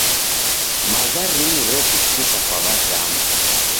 Maza rimu revisika kwa w'adamu.